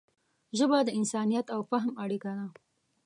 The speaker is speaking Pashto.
ژبه د انسانیت او فهم اړیکه ده